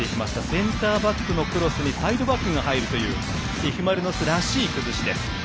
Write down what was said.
センターバックのクロスにサイドバックが入るというＦ・マリノスらしい攻撃でした。